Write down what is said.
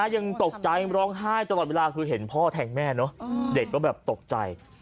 ยังตกใจร้องไห้ตลอดเวลาคือเห็นพ่อแทงแม่เนอะเด็กก็แบบตกใจ